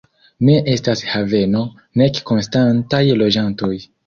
Ne estas haveno, nek konstantaj loĝantoj.